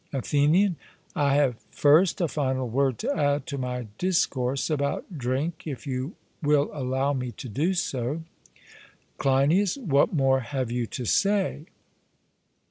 ATHENIAN: I have first a final word to add to my discourse about drink, if you will allow me to do so. CLEINIAS: What more have you to say?